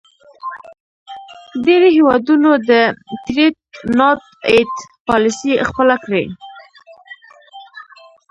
ډیری هیوادونو د Trade not aid پالیسي خپله کړې.